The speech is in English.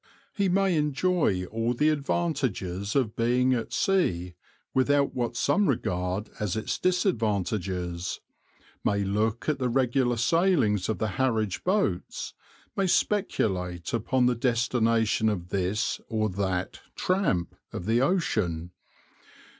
He may enjoy all the advantages of being at sea without what some regard as its disadvantages, may look at the regular sailings of the Harwich boats, may speculate upon the destination of this or that "tramp" of the ocean.